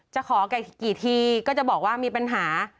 จะขอไก่กี่ทีก็จะบอกว่ามีปัญหา